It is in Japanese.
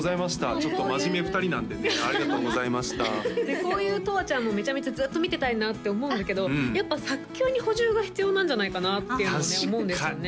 ちょっと真面目２人なんでねありがとうございましたそういうとわちゃんもめちゃめちゃずっと見てたいなって思うんだけどやっぱ早急に補充が必要なんじゃないかなっていうのをね思うんですよね